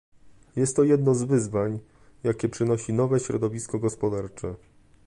Jest to jedno z wyzwań, jakie przynosi nowe środowisko gospodarcze